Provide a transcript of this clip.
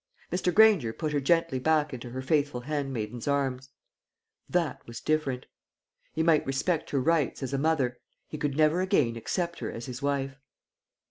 Mr. Granger put her gently back into her faithful hand maiden's arms. That was different. He might respect her rights as a mother; he could never again accept her as his wife.